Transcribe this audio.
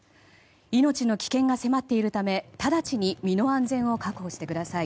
命の危険が迫っているため直ちに身の安全を確保してください。